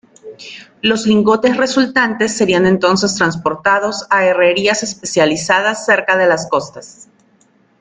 Los lingotes resultantes serían entonces transportados a herrerías especializadas cerca de las costas.